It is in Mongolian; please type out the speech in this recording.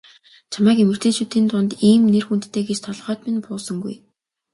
Чамайг эмэгтэйчүүдийн дунд ийм нэр хүндтэй гэж толгойд минь буусангүй.